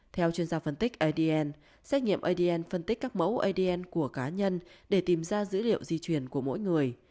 theo chuyên gia phân tích adn xét nghiệm adn phân tích các mẫu adn của cá nhân để tìm ra dữ liệu di chuyển của mỗi người